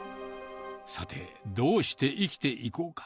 さて、どうして生きていこうか。